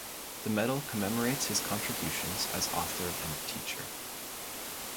The Medal commemorates his contributions as author and teacher.